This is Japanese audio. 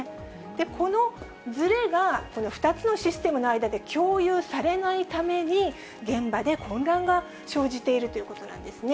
このずれが、２つのシステムの間で共有されないために、現場で混乱が生じているということなんですね。